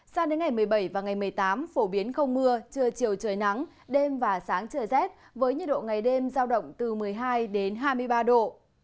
sao đến ngày một mươi bảy và ngày một mươi tám phổ biến không mưa trưa chiều trời nắng đêm và sáng trời rét với nhiệt độ ngày đêm giao động từ một mươi hai đến hai mươi ba độ